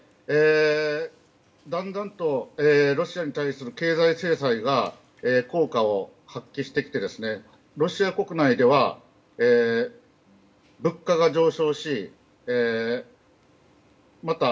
だんだんとロシアに対する経済制裁が効果を発揮してきてロシア国内では物価が上昇しまた